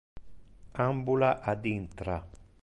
Ambula ad intra.